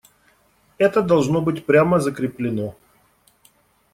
Это должно быть прямо закреплено.